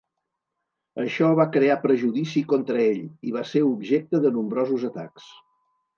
Això va crear prejudici contra ell, i va ser objecte de nombrosos atacs.